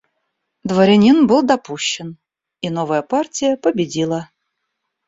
Дворянин был допущен, и новая партия победила.